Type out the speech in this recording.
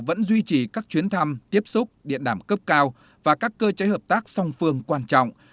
vẫn duy trì các chuyến thăm tiếp xúc điện đàm cấp cao và các cơ chế hợp tác song phương quan trọng